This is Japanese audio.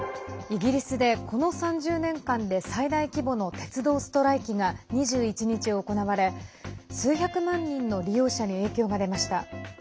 イギリスで、この３０年間で最大規模の鉄道ストライキが２１日、行われ数百万人の利用者に影響が出ました。